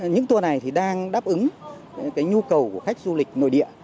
những tour này thì đang đáp ứng cái nhu cầu của khách du lịch nội địa